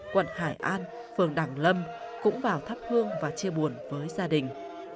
quận hải an phường đảng lâm cũng vào thắp hương và chia buồn với gia đình